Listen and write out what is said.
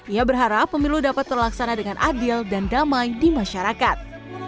ia berharap pemilu dapat terlaksana dengan adil dan damai di masyarakat